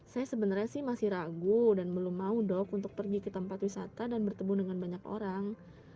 saya sebenarnya sih masih ragu dan belum mau dok untuk pergi ke tempat wisata dan bertemu dengan banyak orang